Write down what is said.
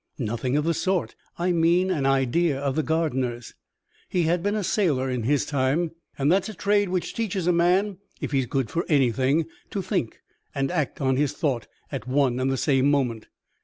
"Nothing of the sort; I mean an idea of the gardener's. He had been a sailor in his time and that's a trade which teaches a man (if he's good for anything) to think, and act on his thought, at one and the same moment.